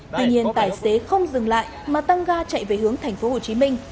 tuy nhiên tài xế không dừng lại mà tăng ga chạy về hướng thành phố hồ chí minh